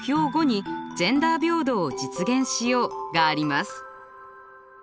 ５に「ジェンダー平等を実現しよう」があります。